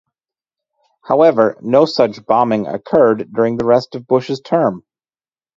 However, no such bombing occurred during the rest of Bush's term.